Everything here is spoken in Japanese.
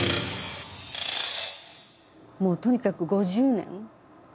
もうとにかく５０年。